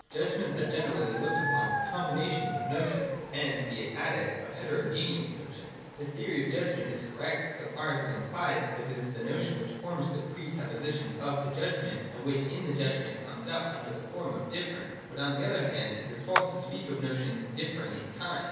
Judgments are generally looked upon as combinations of notions, and, be it added, of heterogeneous notioris. This theory of judgment is correct, so far as it implies that it is the notion which forms the presupposition of the judgment, and which in the judgment comes up under the form of difference. But on the other hand, it is false to speak of notions differing in kind.